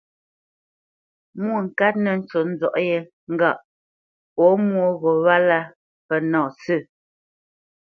Mwôŋkát nə́ ncú nzɔ̌ʼ yé ŋgâʼ pɔ̌ mwô gho wálā mpfə́ nâ sə̂.